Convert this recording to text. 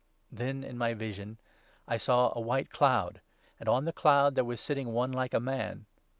"' Then, in my vision, I saw a white cloud, and on the cloud 14 there was sitting one 'like a man.'